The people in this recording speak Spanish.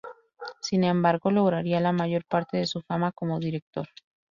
Sin embargo, lograría la mayor parte de su fama como director.